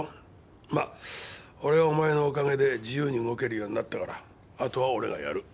まあ俺はお前のお陰で自由に動けるようになったからあとは俺がやる。